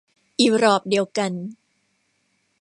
อีหรอบเดียวกัน